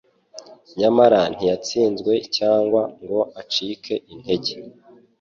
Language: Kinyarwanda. Nyamara ntiyatsinzwe cyangwa ngo acike intege.